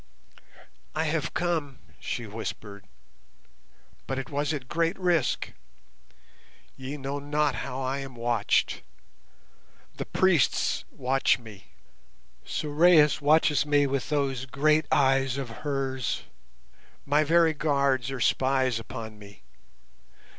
"I have come," she whispered, "but it was at great risk. Ye know not how I am watched. The priests watch me. Sorais watches me with those great eyes of hers. My very guards are spies upon me.